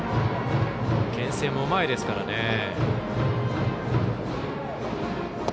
けん制もうまいですからね。